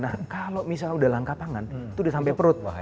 nah kalau misalnya udah langka pangan itu udah sampai perut